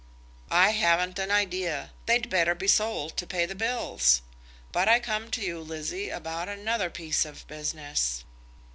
"I haven't an idea. They'd better be sold to pay the bills. But I came to you, Lizzie, about another piece of business."